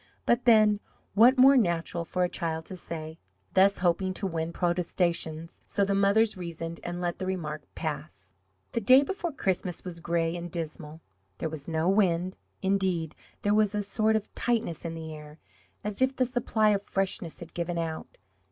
But then, what more natural for a child to say, thus hoping to win protestations so the mothers reasoned, and let the remark pass. The day before Christmas was gray and dismal. There was no wind indeed, there was a sort of tightness in the air, as if the supply of freshness had given out.